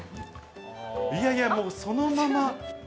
いやいや、もうそのまま。